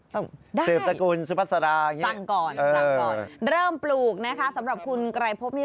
ต้องได้สั่งก่อนสั่งก่อนเริ่มปลูกนะคะสำหรับคุณไกรภพนี่